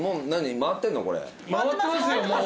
回ってますよもう。